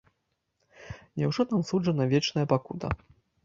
Няўжо нам суджана вечная пакута?